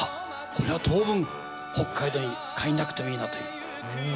これは当分北海道に帰んなくてもいいなと。